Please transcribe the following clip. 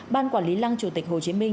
ban quản lý lăng chủ tịch hồ chí minh